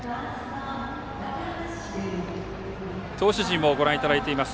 投手陣をご覧いただいています。